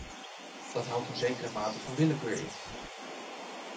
Dat houdt een zekere mate van willekeur in.